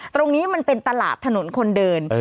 ตรงนี้มันเป็นตลาดถนนคนเดิน